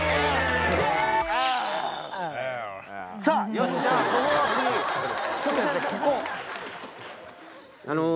さあ！